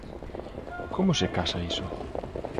¿Como se casa iso?